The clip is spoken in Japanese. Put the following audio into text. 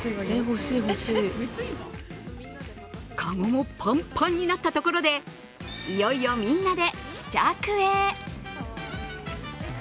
籠もパンパンになったところで、いよいよみんなで試着へ。